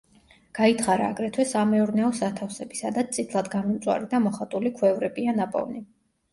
გაითხარა აგრეთვე სამეურნეო სათავსები, სადაც წითლად გამომწვარი და მოხატული ქვევრებია ნაპოვნი.